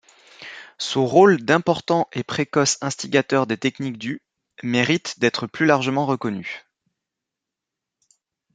Son rôle d'important et précoce instigateur des techniques du mérite d'être plus largement reconnu.